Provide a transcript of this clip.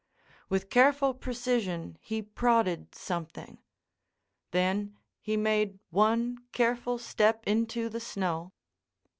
With careful precision he prodded something. Then he made one careful step into the snow.